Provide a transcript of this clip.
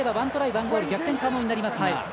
１ゴール逆転可能になりますが。